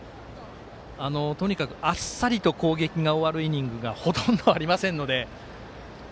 とにかくあっさりと攻撃が終わるイニングがほとんどありませんので。